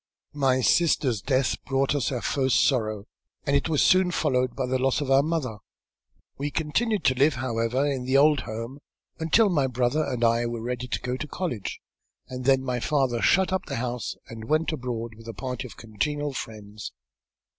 My sister's death brought us our first sorrow, and it was soon followed by the loss of our mother. We continued to live, however, in the old home until my brother and I were ready to go to college, and then my father shut up the house and went abroad with a party of congenial friends.